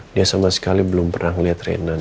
dia sama sekali belum pernah melihat renan